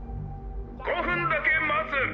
「５分だけまつ。